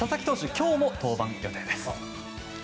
今日も登板予定です。